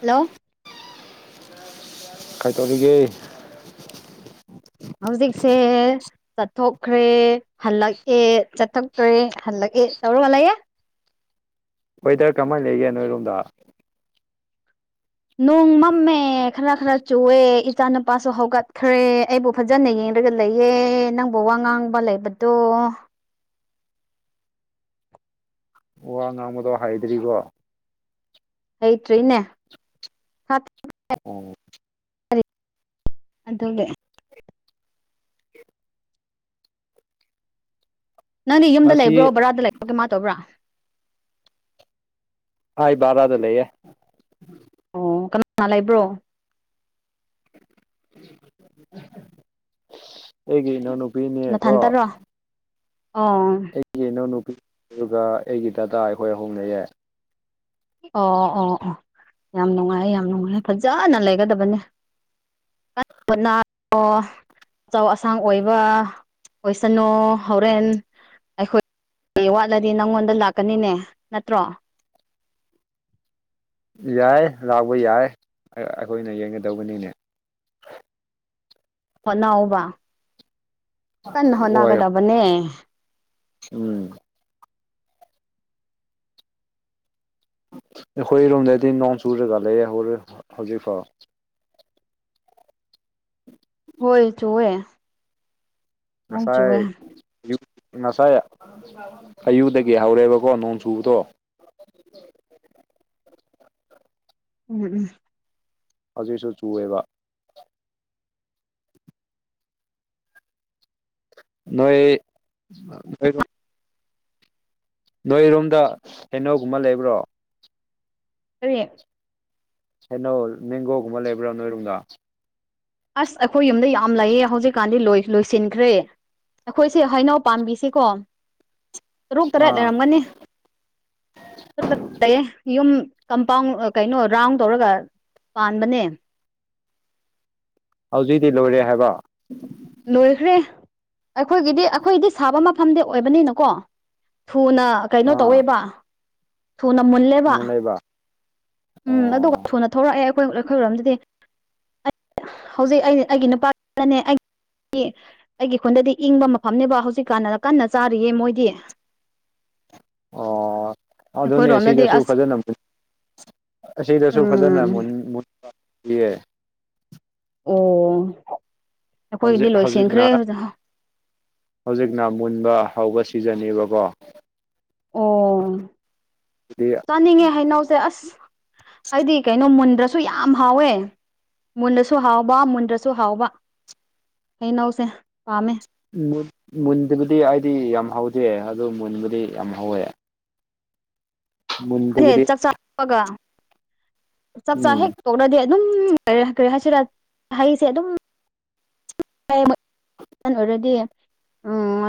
Hello. ꯀꯥꯏ ꯇꯧꯔꯤꯒꯦ ꯍꯧꯖꯤꯛꯁꯦ ꯆꯠꯊꯣꯛꯈ꯭ꯔꯦ ꯍꯜꯂꯛꯑꯦ ꯆꯠꯊꯣꯛꯈ꯭ꯔꯦ ꯍꯜꯂꯛꯑꯦ ꯇꯧꯔꯒ ꯂꯩꯌꯦ꯫ ꯋꯦꯗꯔ ꯀꯃꯥꯏꯅ ꯂꯩꯒꯦ ꯅꯣꯏꯔꯣꯝꯗ ꯅꯣꯡ ꯃꯝꯃꯦ ꯈꯔ ꯈꯔ ꯆꯨꯑꯦ ꯏꯆꯥ ꯅꯨꯨꯄꯥꯁꯨ ꯍꯧꯒꯠꯈ꯭ꯔꯦ ꯑꯩꯕꯨ ꯐꯖꯅ ꯌꯦꯡꯂꯡꯒ ꯂꯩꯌꯦ ꯅꯪꯕꯨ ꯋꯥ ꯉꯥꯡꯕ ꯂꯩꯕꯗꯣ ꯋꯥ ꯉꯥꯡꯕꯗꯣ ꯍꯥꯏꯗ꯭ꯔꯤꯕꯣ꯫ ꯍꯩꯇ꯭ꯔꯤꯅꯦ꯫ ꯁꯥꯠꯊꯔꯤ ꯎꯝ ꯑꯗꯨꯒ ꯅꯪꯗꯤ ꯌꯨꯝꯗ ꯉꯁꯤ ꯂꯦꯕ꯭ꯔꯣ ꯕꯥꯔꯥꯗ ꯂꯦꯕ꯭ꯔꯣ ꯀꯃꯥ ꯇꯧꯕ꯭ꯔꯥ꯫ ꯑꯩ ꯕꯔꯥꯗ ꯂꯩꯌꯦ꯫ ꯑꯣ ꯀꯅꯥ ꯀꯅꯥ ꯂꯩꯕ꯭ꯔꯣ꯫ [unintelligible] ꯅꯊꯥꯟꯇꯔꯣ ꯑꯣ ꯑꯩꯒꯤ ꯏꯅꯥꯎꯅꯨꯄꯤ ꯑꯗꯨꯒ ꯑꯩꯒꯤ ꯗꯗꯥꯗꯥ ꯑꯩꯈꯣꯏ ꯍꯧꯣꯡꯅꯩꯌꯦ ꯑꯣ ꯑꯣ ꯑꯣ ꯌꯥꯝ ꯅꯨꯡꯉꯥꯏ ꯌꯥꯝ ꯅꯨꯡꯉꯥꯏ ꯐꯖꯟꯅ ꯂꯩꯒꯗꯕꯅꯦ꯫ [unintelligible] ꯑꯆꯧ ꯑꯁꯥꯡ ꯑꯣꯏꯕ ꯑꯣꯏꯁꯅꯣ ꯍꯧꯔꯦꯟ꯫ ꯑꯩꯈꯣꯏ ꯋꯥꯠꯂꯗꯤ ꯅꯪꯉꯣꯟꯗ ꯂꯥꯛꯀꯅꯤꯅꯦ ꯅꯠꯇ꯭ꯔꯣ꯫ ꯌꯥꯏ ꯂꯥꯛꯄ ꯌꯥꯏ ꯑꯩꯈꯣꯏꯅ ꯌꯦꯡꯒꯗꯧꯕꯅꯤꯅꯦ꯫ ꯍꯣꯠꯅꯧꯕ ꯀꯟꯅ ꯍꯣꯏ ꯍꯣꯠꯅꯒꯗꯕꯅꯦ꯫ ꯎꯝ ꯑꯩꯈꯣꯏꯔꯣꯝꯗꯗꯤ ꯅꯣꯡ ꯆꯨꯨꯔꯒ ꯂꯩꯦ ꯍꯧ ꯍꯧꯖꯤꯛ ꯐꯥꯎ ꯍꯣꯏ ꯆꯨꯋꯦ ꯅꯣꯡ ꯉꯁꯥꯏ ꯆꯨꯋꯦ ꯑ ꯉꯁꯥꯏ ꯑꯌꯨꯗꯒꯤ ꯍꯧꯔꯦꯕꯀꯣ ꯅꯣꯡ ꯆꯨꯕꯗꯣ ꯎꯝ ꯎꯝ ꯍꯧꯖꯤꯛꯁꯨ ꯆꯨꯑꯦꯕ꯫ ꯅꯣꯏ [unintelligible] ꯅꯣꯏꯔꯣꯝꯗ ꯍꯩꯅꯧꯒꯨꯝꯕ ꯂꯦꯕ꯭ꯔꯣ꯫ ꯀꯔꯤ ꯍꯩꯅꯧ ꯃꯦꯡꯒꯣꯒꯨꯝꯕ ꯂꯩꯕ꯭ꯔꯣ ꯅꯣꯏꯔꯣꯝꯗ꯫ ꯑꯁ ꯑꯩꯈꯣꯏ ꯌꯨꯝꯗ ꯌꯥꯝ ꯂꯩꯌꯦ ꯍꯧꯖꯤꯛꯀꯥꯟꯗꯤ ꯂꯣꯏ ꯂꯣꯏꯁꯤꯟꯈ꯭ꯔꯦ꯫ ꯑꯩꯈꯣꯏꯁꯦ ꯍꯩꯅꯧ ꯄꯥꯝꯕꯤꯁꯤꯀꯣ ꯇꯔꯨꯛ ꯇꯔꯦꯠ ꯑꯥ ꯂꯩꯔꯝꯒꯅꯤ꯫ ꯂꯩ ꯌꯨꯝ ꯀꯝꯄꯥꯎꯟ ꯀꯩꯅꯣ ꯔꯥꯎꯟ ꯇꯧꯔꯒ ꯄꯥꯟꯕꯅꯦ ꯍꯧꯖꯤꯛꯇꯤ ꯂꯣꯏꯔꯦ ꯍꯥꯏꯕ꯫ ꯂꯣꯏꯈ꯭ꯔꯦ ꯑꯩꯈꯣꯏꯒꯤꯗꯤ ꯑꯩꯈꯣꯏꯗꯤ ꯁꯥꯕ ꯃꯐꯝꯗꯤ ꯑꯣꯏꯕꯅꯤꯅꯀꯣ ꯊꯨꯅ ꯀꯩꯅꯣ ꯑꯥ ꯇꯧꯋꯦꯕ ꯊꯨꯅ ꯃꯨꯜꯂꯦꯕ꯫ ꯃꯨꯟ ꯂꯩꯕ ꯎꯝ ꯑꯗꯨꯒ ꯑꯣ ꯁꯨꯅ ꯊꯣꯛꯂꯛꯑꯦ ꯑꯩꯈꯣꯏ ꯑꯩꯈꯣꯏꯔꯝꯗꯨꯗꯤ ꯍꯧꯖꯤꯛ ꯑꯩ ꯑꯩꯒꯤ ꯅꯨꯄꯥꯅꯅꯦ ꯑꯩ ꯑꯦ ꯑꯩꯒꯤ ꯈꯨꯣꯟꯗꯗꯤ ꯏꯪꯕ ꯃꯐꯝꯅꯦꯕ ꯍꯧꯖꯤꯛꯀꯥꯟ ꯀꯟꯅ ꯆꯥꯔꯤꯌꯦ ꯃꯣꯏꯗꯤ ꯑꯣ ꯑꯗꯨꯅꯦ ꯑꯩꯈꯣꯏꯔꯣꯝꯗꯗꯤ ꯁꯤꯗꯁꯨ ꯑꯁ ꯐꯖꯅ ꯑꯁꯤꯗꯁꯨ ꯐꯖꯅ ꯎꯝ ꯃꯨꯟ [unintelligible] ꯑꯣ ꯍꯧꯖꯤꯛ ꯑꯩꯈꯣꯏꯒꯤꯗꯤ ꯍꯧꯖꯤꯛꯅ ꯂꯣꯏꯁꯤꯟꯈ꯭ꯔꯦ ꯑꯣꯖꯥꯎ ꯍꯧꯖꯤꯛꯅ ꯃꯨꯟꯕ ꯍꯧꯕ ꯁꯤꯖꯟꯅꯤꯕꯀꯣ꯫ ꯑꯣ ꯍꯥꯏꯗꯤ ꯆꯥꯅꯤꯡꯉꯦ ꯍꯩꯅꯧꯁꯦ ꯑꯁ ꯍꯥꯏꯗꯤ ꯀꯩꯅꯣ ꯃꯨꯟꯗ꯭ꯔꯁꯨ ꯌꯥꯝ ꯍꯥꯎꯋꯦ ꯃꯨꯟꯗꯁꯨ ꯍꯥꯎꯕ ꯃꯨꯟꯗ꯭ꯔꯁꯨ ꯍꯥꯎꯕ ꯍꯩꯅꯧꯁꯦ ꯄꯥꯝꯃꯦ ꯃꯨꯟ ꯃꯨꯟꯗ꯭ꯔꯗꯤ ꯑꯩꯗꯤ ꯌꯥꯝ ꯍꯥꯎꯗꯦ ꯑꯗꯨ ꯃꯨꯟꯕꯨꯗꯤ ꯌꯥꯝ ꯍꯥꯎꯋꯦ꯫ [unintelligible] ꯆꯥꯛꯆꯥ ꯇꯣꯛꯄꯒ ꯆꯥꯛꯆꯥ ꯎꯝ ꯍꯦꯛ ꯀꯣꯛꯅꯗꯤ ꯑꯗꯨꯝ ꯀꯔꯤꯍꯥꯏꯁꯤꯔ ꯍꯩꯁꯦ ꯑꯗꯨꯝ [unintelligible] ꯑꯍꯟ ꯑꯣꯏꯔꯗꯤ ꯎꯝ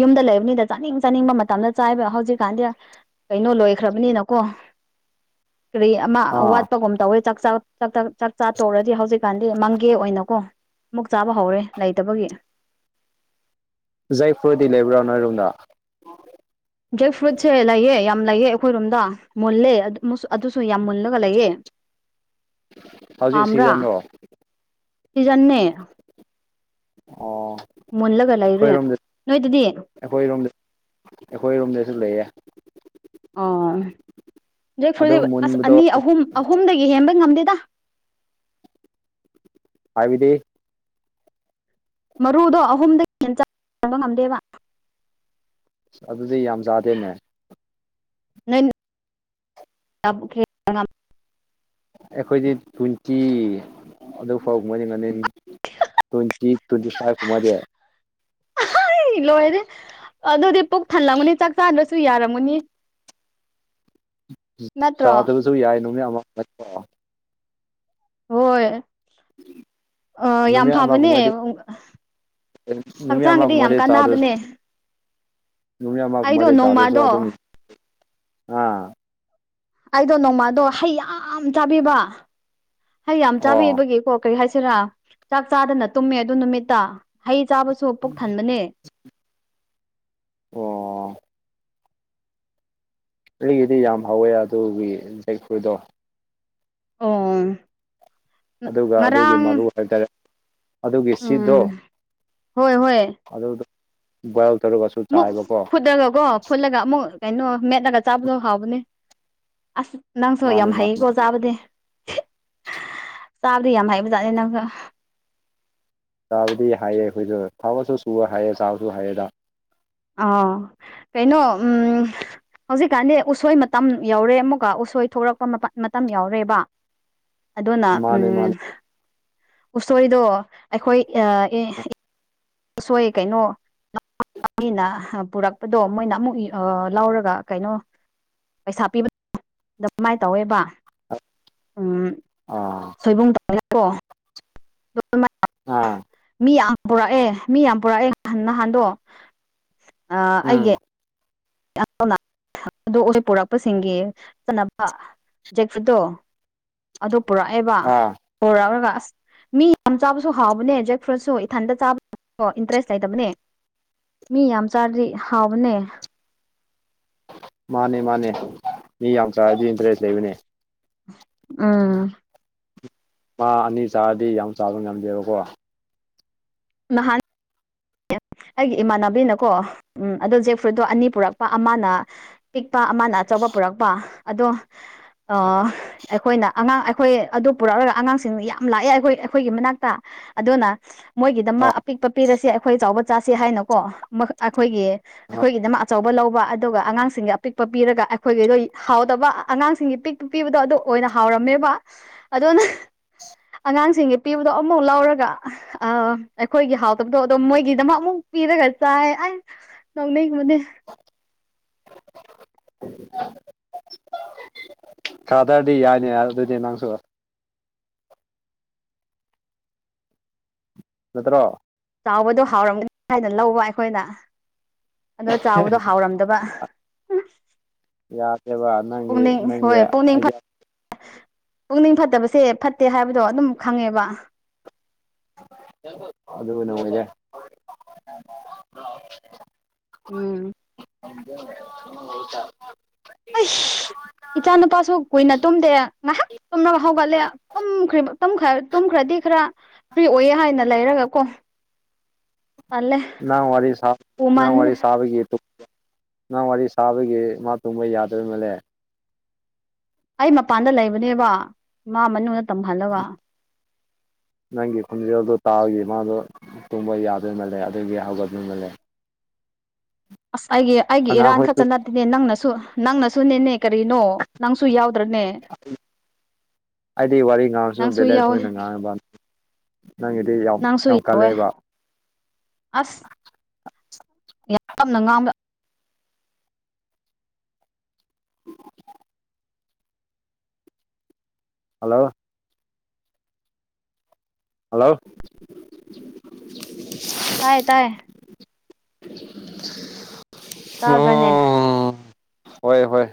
ꯌꯨꯝꯗ ꯂꯩꯕꯅꯤꯗ ꯆꯥꯅꯤꯡ ꯆꯥꯅꯤꯡꯕ ꯃꯇꯝꯗ ꯆꯥꯏꯕ ꯍꯧꯖꯤꯛꯀꯥꯟꯗꯤ ꯀꯩꯅꯣ ꯂꯣꯏ ꯈ꯭ꯔꯕꯅꯤꯅꯀꯣ ꯀꯔꯤ ꯑꯃ ꯑꯥ ꯋꯥꯠꯄꯒꯨꯝ ꯇꯧꯋꯦ ꯆꯥꯛ ꯆꯥ ꯆꯥꯛ ꯇꯪ ꯆꯥꯛ ꯆꯥ ꯇꯧꯔꯗꯤ꯫ ꯆꯥꯛꯇ ꯆꯥꯛꯆꯥ ꯇꯣꯛꯔꯗꯤ ꯍꯧꯖꯤꯛꯀꯥꯟꯗꯤ ꯃꯪꯒꯦ ꯑꯣꯏꯅꯀꯣ ꯑꯃꯨꯛ ꯆꯥꯕ ꯍꯧꯔꯦ ꯂꯩꯇꯕꯒꯤ꯫ ꯖꯦꯛ ꯐ꯭ꯨꯔꯗꯤ ꯂꯩꯕ꯭ꯔꯥ ꯅꯣꯏꯔꯣꯝꯗ꯫ ꯖꯦꯛ ꯐ꯭ꯔꯨꯏꯠꯁꯦ ꯂꯩꯑꯦ ꯌꯥꯝ ꯂꯩꯑꯦ ꯑꯩꯈꯣꯏꯔꯣꯝꯗ ꯃꯨꯜꯂꯦ ꯑꯗꯨ ꯃꯨꯁꯨ ꯑꯗꯨꯁꯨ ꯌꯥꯝ ꯃꯨꯜꯂꯒ ꯂꯩꯌꯦ꯫ ꯍꯧꯖꯤꯛ ꯄꯥꯝꯕ꯭ꯔꯥ ꯁꯤꯖꯟꯔꯣ ꯁꯤꯖꯟꯅꯦ ꯑꯣ꯫ ꯃꯨꯜꯂꯒ ꯂꯩꯔꯦ ꯑꯩꯈꯣꯏꯔꯣꯝꯗ ꯅꯣꯏꯗꯗꯤ꯫ ꯑꯩꯈꯣꯏꯔꯣꯝꯗ ꯑꯩꯈꯣꯏꯔꯣꯝꯗꯁꯨ ꯂꯩꯌꯦ ꯑꯣ ꯅꯣꯏ ꯑꯗꯨ [unintelligible] ꯃꯨꯟꯕꯗꯣ ꯑꯅꯤ ꯑꯍꯨꯝ ꯑꯍꯨꯝꯗꯒꯤ ꯍꯦꯟꯕ ꯉꯝꯗꯦꯗ꯫ ꯍꯥꯏꯕꯗꯤ ꯃꯔꯨꯗꯣ ꯑꯍꯨꯝꯗꯒꯤ ꯍꯦꯟꯅ ꯆꯥꯕ ꯉꯝꯗꯦꯕ ꯫ ꯑꯗꯨꯗꯤ ꯌꯥꯝ ꯆꯥꯗꯦꯅꯦ ꯅꯪ [unintelligible] ꯑꯩꯈꯣꯏꯗꯤ ꯇ꯭ꯋꯦꯟꯇꯤ ꯑꯗꯨ ꯐꯥꯎ [unintelligible] ꯇ꯭ꯋꯦꯟꯇꯤ ꯇ꯭ꯋꯦꯟꯇꯤ ꯐꯥꯏꯚ ꯀꯨꯝꯃꯗꯤ ꯂꯣꯏꯔꯦ ꯑꯗꯨꯗꯤ ꯄꯨꯛ ꯊꯜꯂꯝꯒꯨꯅꯤ ꯆꯥꯛ ꯆꯥꯗ꯭ꯔꯁꯨ ꯌꯥꯔꯝꯒꯨꯅꯤ ꯅꯠꯇ꯭ꯔꯣ ꯆꯥꯗꯕꯁꯨ ꯌꯥꯏ ꯅꯅꯦ ꯑꯃ ꯍꯣꯏ ꯑ ꯌꯥꯝ ꯐꯕꯅꯦ ꯑꯨꯡ ꯃꯤ ꯑꯃꯒꯨꯝꯕꯗꯤ ꯆꯥꯗꯁ [unintelligible] ꯨꯌꯥ ꯃꯥ ꯑꯩꯗꯣ ꯃꯔꯤ ꯇꯥꯔꯦꯁꯨꯣ ꯅꯣꯡꯃꯗꯣ ꯑꯗꯨꯃꯤ ꯑꯥ ꯑꯩꯗꯣ ꯅꯣꯡꯃꯗꯣ ꯍꯩ ꯌꯥꯝ ꯆꯥꯕꯤꯕ ꯍꯩ ꯌꯥꯝ ꯑꯣ ꯆꯥꯕꯤꯕꯒꯤꯀꯣ ꯀꯔꯤ ꯍꯥꯏꯁꯤꯔꯥ ꯆꯥꯛ ꯆꯥꯗꯅ ꯇꯨꯝꯃꯦ ꯑꯗꯨ ꯅꯨꯃꯤꯠꯇ ꯍꯩ ꯆꯥꯕꯁꯨ ꯄꯨꯛ ꯊꯟꯕꯅꯦ ꯑꯣ ꯑꯩꯒꯤꯗꯤ ꯌꯥꯝ ꯍꯧꯋꯦ ꯑꯗꯨꯒꯤ [unintelligible] ꯑꯣ ꯑꯗꯨꯒ ꯑꯗꯨꯒꯤ ꯉꯔꯥꯡ ꯃꯔꯨ ꯍꯥꯏꯇꯥꯔꯦ ꯑꯗꯨꯒꯤ ꯎꯝ ꯁꯤꯠꯇꯣ ꯍꯣꯏ ꯍꯣꯏ ꯑꯗꯨꯗꯣ ꯕꯣꯏꯋꯦꯜ ꯇꯧꯔꯒ ꯃꯨꯛ ꯐꯨꯠꯂꯒ ꯀꯣ ꯐꯨꯠꯂꯒ ꯑꯃꯨꯛ ꯀꯩꯅꯣ ꯃꯦꯠꯂꯒ ꯆꯥꯕꯗꯣ ꯍꯥꯎꯕꯅꯦ ꯑꯁ ꯅꯪꯁꯨ ꯌꯥꯝ ꯃꯥꯅꯦ ꯃꯥꯅꯦ ꯍꯩꯌꯦꯀꯣ ꯆꯥꯕꯗꯤ ꯆꯥꯕꯗꯤ ꯌꯥꯝ ꯍꯩꯕꯖꯥꯠꯅꯤ ꯅꯪꯁꯨ ꯆꯥꯕꯗꯤ ꯍꯩꯌꯦ ꯑꯩꯈꯣꯏꯁꯨ ꯊꯥꯕꯛꯁꯨ ꯁꯨꯕ ꯍꯩꯌꯦ ꯆꯥꯕꯁꯨ ꯍꯩꯌꯦꯗ ꯑꯥ ꯀꯩꯅꯣ ꯎꯝ ꯍꯧꯖꯤꯛꯀꯥꯟꯗꯤ ꯎꯁꯣꯏ ꯃꯇꯝ ꯌꯥꯎꯔꯦ ꯑꯃꯨꯛꯀ ꯎꯁꯣꯏ ꯊꯣꯛꯂꯛꯄ ꯃꯇꯝ ꯌꯥꯎꯔꯦꯕ ꯑꯗꯨꯅ ꯃꯥꯅꯦ ꯎꯝ ꯃꯥꯅꯦ ꯎꯁꯣꯏꯘꯣ ꯑꯩꯈꯣꯏ ꯎꯁꯣꯏ ꯀꯩꯅꯣ ꯃꯤꯅ ꯄꯨꯔꯛꯄꯗꯣ ꯃꯣꯏꯅ ꯑꯃꯨꯛ ꯂꯧꯔꯒ ꯀꯩꯅꯣ ꯄꯩꯁꯥ ꯄꯤꯕ ꯑꯗꯨꯃꯥꯏꯅ ꯇꯧꯋꯦꯕ ꯎꯝ ꯑꯥ ꯁꯣꯏꯕꯨꯡ ꯇꯧꯔꯦ ꯀꯣ [unintelligible] ꯎꯝ ꯃꯤ ꯌꯥꯝ ꯄꯨꯔꯛꯑꯦ ꯃꯤ ꯌꯥꯝ ꯄꯨꯔꯛꯑꯦ ꯅꯍꯥꯟꯗꯣ ꯑ ꯎꯝ ꯑꯩꯒꯤ [unintelligible] ꯑꯗꯨ ꯍꯧꯖꯤꯛ ꯄꯨꯔꯛꯄꯁꯤꯡꯒꯤ ꯆꯠꯅꯕ [unintelligible] ꯑꯗꯨ ꯄꯨꯔꯛꯑꯦꯕ ꯑꯥ ꯄꯨꯔꯛꯂꯒ ꯑꯁ ꯃꯤ ꯌꯥꯝ ꯆꯥꯕꯁꯨ ꯍꯥꯎꯕꯅꯦ ꯖꯦꯛ ꯐ꯭ꯔꯨꯠꯁꯨ ꯏꯊꯟꯇ ꯆꯥꯕ ꯏꯟꯇꯔꯦꯁ ꯂꯩꯇꯕꯅꯦ ꯃꯤ ꯌꯥꯝ ꯆꯥꯔꯘꯤ ꯍꯥꯎꯕꯅꯦ ꯃꯥꯅꯦ ꯃꯥꯅꯦ ꯃꯤ ꯌꯥꯝ ꯆꯔꯥꯗꯤ ꯏꯟꯇꯔꯦꯁ ꯂꯩꯕꯅꯦ ꯎꯝ ꯃꯥ ꯑꯅꯤ ꯆꯥꯔꯗꯤ ꯌꯥꯝ ꯆꯥꯕ ꯉꯝꯗꯦꯕꯀꯣ [unintelligible] ꯑꯩꯒꯤ ꯏꯃꯥꯟꯅꯕꯤꯅꯀꯣ ꯎꯝ ꯑꯗꯣ ꯖꯦꯛ ꯐ꯭ꯔꯨꯏꯠꯇꯣ ꯑꯅꯤ ꯄꯨꯔꯛꯄ ꯑꯃꯅ ꯄꯤꯛꯄ ꯑꯃꯅ ꯑꯆꯧꯕ ꯄꯨꯔꯛꯄ ꯑꯗꯣ ꯑ ꯑꯩꯈꯣꯏꯅ ꯑꯉꯥꯡ ꯑꯩꯈꯣꯏ ꯑꯗꯨ ꯄꯨꯔꯛꯂꯒ ꯑꯉꯥꯡꯁꯤꯡ ꯌꯥꯝ ꯂꯥꯛꯑꯦ ꯑꯩꯈꯣꯏ ꯑꯩꯈꯣꯏꯒꯤ ꯃꯅꯥꯛꯇ ꯑꯗꯨꯅ ꯑꯥ ꯃꯣꯏꯒꯤꯗꯃꯛ ꯑꯄꯤꯛꯄ ꯄꯤꯔꯁꯦ ꯑꯩꯈꯣꯏ ꯆꯥꯎꯕ ꯆꯥꯁꯤ ꯍꯥꯏꯅꯀꯣ ꯑꯩꯈꯣꯏꯒꯤ ꯑꯩꯈꯣꯏꯒꯤꯗꯃꯛ ꯑꯆꯧꯕ ꯂꯧꯕ ꯑꯗꯨꯒ ꯑꯉꯥꯡꯁꯤꯡꯒꯤ ꯑꯄꯤꯛꯄ ꯄꯤꯔꯒ ꯑꯩꯈꯣꯏꯒꯤꯗꯣ ꯍꯥꯎꯗꯕ ꯑꯉꯥꯡꯁꯤꯡꯒꯤ ꯄꯤꯛ ꯄꯄꯤꯕꯗꯣ ꯑꯗꯨ ꯑꯣꯏꯅ ꯍꯥꯎꯔꯝꯃꯦꯕ ꯑꯗꯨꯅ ꯑꯉꯥꯡꯁꯤꯡꯒꯤ ꯄꯤꯕꯗꯣ ꯑꯃꯐꯥꯎ ꯂꯧꯔꯒ ꯑꯩꯈꯣꯏꯒꯤ ꯍꯥꯎꯇꯕꯗꯣ ꯑꯗꯨꯝ ꯃꯣꯏꯒꯤꯗꯃꯛ ꯑꯃꯨꯛ ꯄꯤꯔꯒ ꯆꯥꯏ ꯑ ꯅꯧꯅꯩꯒꯨꯝꯃꯗꯤ ꯁꯥꯗ꯭ꯔꯗꯤ ꯌꯥꯏꯅꯤ ꯑꯗꯨꯗꯤ ꯅꯪꯁꯨ ꯅꯠꯇ꯭ꯔꯣ ꯆꯥꯎꯕꯗꯣ ꯍꯥꯎꯔꯝꯒꯅꯤ ꯍꯥꯏꯅ ꯂꯧꯕ ꯑꯩꯈꯣꯏꯅ ꯑꯗꯣ ꯆꯥꯎꯕꯗꯣ ꯍꯥꯎꯔꯝꯗꯕ ꯌꯥ ꯀꯦꯕꯥ ꯅꯪ ꯄꯨꯛꯅꯤꯡ ꯅꯪ ꯍꯣꯏ ꯄꯨꯛꯅꯤꯡ ꯄꯨꯛꯅꯤꯡ ꯐꯠꯇꯕꯁꯦ ꯐꯠꯇꯦ ꯍꯥꯏꯕꯗꯣ ꯑꯗꯨꯝ ꯈꯪꯉꯦꯕ ꯑꯗꯨꯅ ꯑꯣꯏꯔꯦ ꯎꯝ [unintelligible] ꯑꯩꯁ ꯏꯆꯥ ꯅꯨꯨꯄꯥꯁꯨ ꯀꯨꯏꯅ ꯇꯨꯝꯗꯦ ꯉꯥꯏꯍꯥꯛ ꯇꯨꯝꯒ ꯍꯧꯒꯠꯂꯦ ꯇꯨꯝꯈ꯭ꯔ ꯇꯨꯝꯈ꯭ꯔꯗꯤ ꯈꯔ ꯐ꯭ꯔꯤ ꯑꯣꯏꯌꯦ ꯍꯥꯏꯅ ꯂꯩꯔꯒ ꯀꯣ ꯇꯜꯂꯦ ꯅꯪ ꯋꯥꯔꯤ ꯁꯥ ꯅꯪ ꯎꯃꯟ ꯋꯥꯔꯤ ꯁꯥꯕꯒꯤ ꯅꯪ ꯋꯥꯔꯤ ꯁꯥꯕꯒꯤ ꯃꯥ ꯇꯨꯝꯕ ꯌꯥꯗꯕ ꯃꯥꯜꯂꯦ ꯑꯩ ꯃꯄꯥꯟꯗ ꯂꯩꯕꯅꯦꯕ ꯃꯥ ꯃꯅꯨꯡꯗ ꯇꯨꯝꯍꯜꯂꯒ ꯅꯪꯒꯤ ꯈꯣꯟꯖꯦꯜꯗꯣ ꯇꯥꯕꯒꯤ ꯃꯥꯗꯣ ꯇꯨꯝꯕ ꯌꯥꯗꯣꯏ ꯃꯥꯜꯂꯦ ꯑꯗꯨꯗꯒꯤ ꯍꯧꯒꯗꯣꯏꯃꯜꯂꯦ ꯑꯁ ꯑꯩꯒꯤ ꯑꯩꯒꯤ ꯏꯔꯥꯟ ꯑꯉꯥꯡꯈꯣꯏꯁꯨ ꯈꯛꯇ ꯅꯠꯇꯦꯅꯦ ꯅꯪꯅꯁꯨ ꯅꯪꯅꯁꯨ ꯅꯦꯅꯦ ꯀꯔꯤꯅꯣ ꯅꯪꯁꯨ ꯌꯥꯎꯗ꯭ꯔꯅꯦ ꯑꯩꯗꯤ ꯋꯥꯔꯤ ꯉꯥꯡꯉꯁꯨ ꯅꯪꯁꯨ ꯕꯦꯂꯦꯟꯁ ꯌꯥꯎꯋꯦ ꯑꯣꯏꯅ ꯉꯥꯡꯉꯕꯅꯤ ꯅꯪꯗ ꯌꯥ ꯅꯪ ꯁꯨꯏꯔꯣꯋꯦ ꯑꯁ ꯌꯥꯝ ꯌꯥꯝꯅ ꯉꯥꯡꯅ ꯍꯜꯂꯣ ꯍꯜꯂꯣ ꯇꯥꯏ ꯇꯥꯏ ꯇꯥꯗ꯭ꯔꯅꯦ ꯍꯣꯏ ꯍꯣꯏ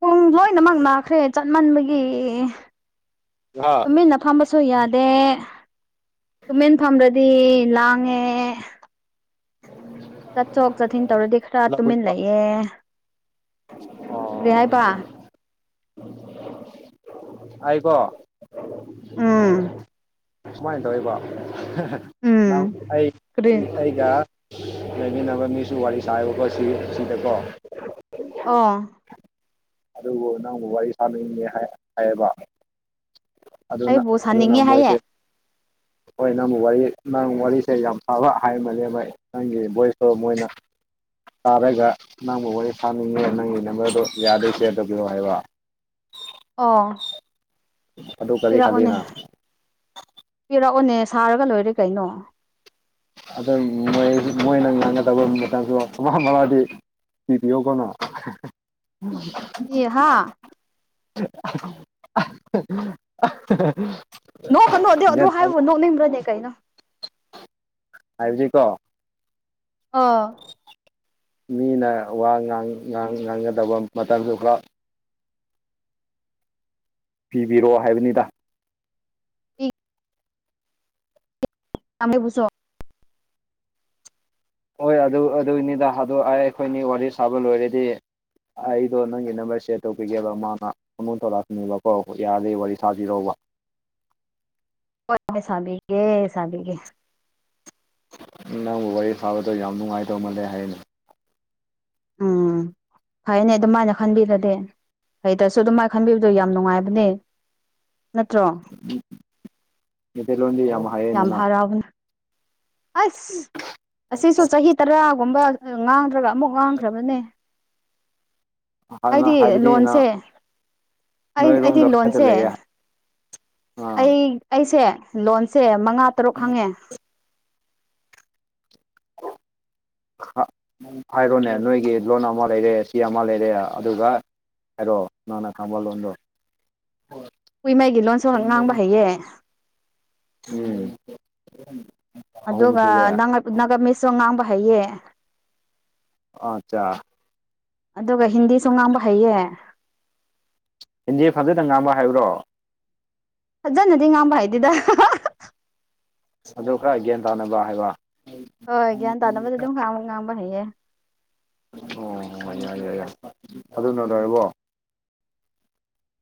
ꯄꯨꯡ ꯂꯣꯏꯅꯃꯛ ꯅꯥꯈ꯭ꯔꯦ ꯆꯠꯃꯟꯕꯒꯤ ꯑꯣ ꯇꯨꯃꯤꯟꯅ ꯐꯝꯕꯁꯨ ꯌꯥꯗꯦ ꯇꯨꯃꯦꯟ ꯐꯗꯗꯤ ꯂꯥꯡꯉꯦ ꯆꯠꯊꯣꯛ ꯆꯠꯁꯤꯟ ꯇꯧꯔꯗꯤ ꯈꯔ ꯇꯨꯝꯃꯤꯟꯂꯛꯑꯦ ꯀꯔꯤ ꯍꯥꯏꯕ ꯑꯩꯕꯣ ꯎꯝ ꯁꯨꯃꯥꯏꯅ ꯇꯧꯋꯏꯕꯣ ꯎꯝ ꯑꯩ ꯀꯔꯤ ꯑꯩꯒ ꯂꯩꯃꯤꯟꯅꯕ ꯃꯤꯁꯨ ꯋꯥꯔꯤ ꯁꯥꯏꯕꯀꯣ ꯁꯤ ꯁꯤꯗꯀꯣ ꯑꯥ ꯑꯗꯨꯕꯨ ꯅꯪꯕꯨ ꯋꯥꯔꯤ ꯁꯥꯅꯤꯡꯉꯦ ꯍꯥꯏꯌꯦꯕ ꯑꯗꯨꯅ ꯑꯩꯕꯨ ꯑꯗꯨꯅ ꯁꯥꯅꯤꯡꯉꯦ ꯃꯣꯏꯁꯦ ꯍꯥꯏꯌꯦ ꯍꯣꯏ ꯅꯪꯕꯨ ꯋꯥꯔꯤ ꯅꯪ ꯋꯥꯔꯤꯁꯦ ꯌꯥꯝ ꯐꯕ ꯍꯥꯏꯃꯅꯦ ꯃ ꯅꯪꯒꯤ ꯚꯣꯏꯁꯇꯣ ꯃꯣꯏꯅ ꯇꯥꯔꯒ ꯅꯪꯕꯨ ꯋꯥꯔꯤ ꯐꯥꯅꯤꯡꯉꯦ ꯅꯪꯒꯤ ꯅꯝꯕꯔꯗꯨꯣ ꯌꯥꯗꯩ ꯁꯤꯦꯌꯔ ꯇꯧꯕꯤꯔꯛꯑꯣ ꯍꯥꯏꯕ ꯑ ꯑꯗꯨ ꯀꯔꯤ ꯄꯤꯔꯛꯑꯣꯅꯦ ꯈꯜꯂꯤꯅ ꯄꯤꯔꯛꯑꯣꯅꯦ ꯁꯥꯔꯒ ꯂꯣꯏꯔꯦ ꯀꯩꯅꯣ ꯑ ꯃꯣꯏ ꯃꯣꯏꯅ ꯉꯥꯡꯒꯗꯕ ꯃꯇꯝꯁꯨ ꯊꯨꯃ ꯃꯥꯗꯤ ꯁꯤꯔꯤꯌꯒꯅ ꯏꯍ [unintelligible] ꯅꯣꯛ ꯀꯅꯣ ꯑꯗꯨ ꯑꯗꯨ ꯍꯥꯏꯕ ꯅꯣꯛꯅꯤꯡꯕ꯭ꯔꯅꯦ ꯀꯩꯅꯣ ꯍꯥꯏꯕꯤꯖꯤ ꯀꯣ ꯑꯥ ꯃꯤꯅ ꯋꯥ ꯉꯥꯡꯥꯡ ꯉꯥꯡꯒꯗꯕ ꯃꯇꯝꯗꯨ ꯈ ꯄꯤꯕꯤꯔꯣꯑꯣ ꯍꯥꯏꯕꯅꯤꯗ ꯇꯝꯃꯦꯩꯕꯨꯁꯣ ꯍꯣꯏ ꯑꯗꯨ ꯑꯗꯨꯅꯤꯗ ꯍꯥꯗꯣꯛ ꯑꯩꯈꯣꯏꯅꯤ ꯋꯥꯔꯤ ꯁꯥꯕ ꯂꯣꯏꯔꯗꯤ ꯑꯩꯗꯣ ꯅꯪꯒꯤ ꯅꯝꯕꯔ ꯁꯦꯔ ꯇꯧꯒꯦꯕ ꯃꯥ ꯃꯥ ꯑꯃꯨ ꯇꯧ ꯂꯥꯛꯀꯅꯦꯕꯀꯣ ꯌꯥꯔꯦ ꯋꯥꯔꯤ ꯁꯥꯥꯕꯤꯔꯎꯕ ꯍ ꯁꯕꯤꯒꯦ ꯁꯕꯤꯒꯦ ꯅꯪꯕꯨ ꯋꯥꯔꯤ ꯐꯥꯕꯗꯣ ꯌꯥꯝ ꯅꯨꯡꯉꯥꯏꯇꯧꯃꯜꯂꯦ ꯍꯥꯏꯩꯅ ꯎꯝ ꯇꯥꯗꯔꯦ [inaudible] ꯐꯩꯅꯦ ꯑꯗꯨꯃꯥꯏꯅ ꯈꯟꯕꯤꯔꯗꯤ ꯍꯩꯇ꯭ꯔꯁꯨ ꯑꯗꯨꯃꯥꯏꯅ ꯈꯟꯕꯤꯕꯗꯣ ꯌꯥꯝ ꯅꯨꯡꯉꯥꯏꯕꯅꯦ ꯅꯠꯇ꯭ꯔꯣ ꯃꯩꯇꯩꯂꯣꯟꯗꯤ ꯌꯥꯝ ꯍꯩꯌꯦꯅ ꯍꯔꯥꯎꯕꯅ ꯑꯁ ꯑꯁꯤꯁꯨ ꯆꯍꯤ ꯇꯔꯥꯒꯨꯝꯕ ꯉꯥꯡꯗ꯭ꯔꯒ ꯑꯃꯨꯛ ꯉꯥꯡꯈ꯭ꯔꯕꯅꯦ ꯑꯩꯗꯤ ꯍꯥꯟꯅ ꯍꯥꯏꯕꯗꯤ ꯂꯣꯟꯁꯦ ꯅ ꯑꯩ ꯑꯩꯗꯤ ꯅꯣꯏꯔꯣꯝꯗ ꯈꯛꯇ ꯂꯣꯟꯁꯦ ꯂꯩꯌꯦ ꯑꯥ ꯑꯩ ꯑꯩꯁꯦ ꯂꯣꯟꯁꯦ ꯃꯉꯥ ꯇꯔꯨꯛ ꯍꯪꯉꯦ ꯍꯥꯏꯔꯣꯅꯦ ꯅꯣꯏꯒꯤ ꯂꯣꯟ ꯑꯃ ꯂꯩꯔꯦ ꯆ ꯑꯃ ꯂꯩꯔꯦ ꯑꯗꯨꯒ ꯍꯥꯏꯔꯣ ꯅꯅ ꯀꯃꯜꯣꯗ ꯀꯨꯏꯃꯥꯏꯒꯤ ꯂꯣꯟ ꯁꯣꯟ ꯉꯥꯡꯕ ꯍꯥꯏꯩꯌꯦ ꯎꯝ ꯑꯍꯨꯝ ꯑꯗꯨꯒ ꯁꯨꯔꯦ ꯅꯥꯀ ꯃꯤꯁꯨ ꯉꯥꯡꯕ ꯍꯩꯌꯦ ꯑꯆꯥ ꯑꯗꯨꯒ ꯍꯤꯟꯗꯤꯁꯨ ꯉꯥꯡꯕ ꯍꯩꯌꯦ ꯏꯟꯗꯤ ꯐꯝꯖꯗ ꯉꯥꯡꯕ ꯍꯥꯏꯕ꯭ꯔꯣ ꯐꯖꯅꯗꯤ ꯉꯥꯡꯕ ꯍꯥꯏꯗꯨꯗ ꯑꯗꯨ ꯈꯔ ꯒ꯭ꯌꯥꯟ ꯇꯥꯅꯕ ꯍꯥꯏꯕ ꯍꯣꯏ ꯒ꯭ꯌꯥꯟ ꯇꯥꯅꯕꯗꯤ ꯑꯗꯨꯝꯥꯡ ꯉꯥꯡꯕ ꯍꯩꯌꯦ ꯑꯣ ꯍ ꯌꯥꯏ ꯌꯥꯏ ꯌꯥꯏ ꯑꯗꯨꯅ ꯂꯔꯕꯣ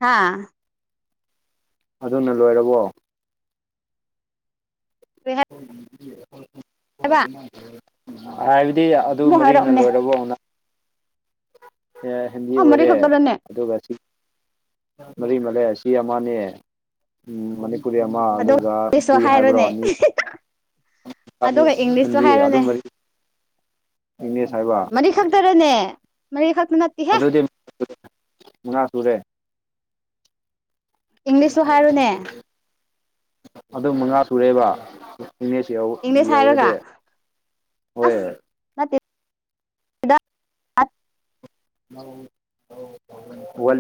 ꯍꯥꯥ ꯑꯗꯨꯅ ꯂꯣꯏꯔꯕꯣ ꯀꯔꯤ ꯍꯥꯏꯕ ꯍꯣꯏꯣꯕꯂꯦꯝ ꯎꯝ ꯍꯥꯏꯕꯗꯤ ꯑꯗꯨ ꯑꯃꯨꯛ ꯃꯔꯤꯅ ꯍꯥꯏꯔꯛꯑꯣꯅꯦ ꯂꯣꯏꯔꯕꯅ ꯍꯤꯟꯗꯤ ꯑꯥ ꯃꯔꯤ ꯑꯣꯏꯔꯦ ꯈꯛꯇꯔꯅꯦ ꯑꯗꯨꯒ ꯃꯔꯤ ꯃꯦ ꯑꯁꯤ ꯑꯃꯅꯦ ꯎ ꯀꯨꯔꯤ ꯑꯃ ꯑꯗꯨꯒ ꯏꯪꯂꯤꯁꯁꯨ ꯀꯨꯏ ꯍꯥꯏꯕ꯭ꯔꯣ ꯍꯥꯏꯔꯣꯅꯦ ꯑꯅꯤ ꯑꯗꯨꯒ ꯏꯪꯂꯤꯁꯇꯣ ꯍꯤꯟꯗꯤ ꯑꯗꯨ ꯍꯥꯏꯔꯣꯅꯦ ꯃꯔꯤ ꯏꯪꯂꯤꯁ ꯍꯥꯏꯕ ꯃꯔꯤꯈꯛꯇꯔꯅꯦ ꯃ ꯈꯥ ꯄꯨ ꯑꯗꯨꯗꯤ ꯉꯥ ꯁꯨꯔꯦ ꯏꯪꯂꯤꯁꯁꯨ ꯍꯥꯏꯔꯨꯅꯦ ꯑꯗꯨꯝ ꯃꯉꯥ ꯁꯨꯔꯦꯕ ꯏꯅꯦꯁ ꯏꯪꯂꯤꯁ ꯍꯥꯏꯔꯒ ꯌꯥꯎꯔꯦꯗꯤ ꯍꯣꯏ ꯑꯁ ꯑꯠ ꯋꯥ